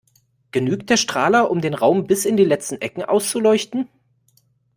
Genügt der Strahler, um den Raum bis in die letzten Ecken auszuleuchten?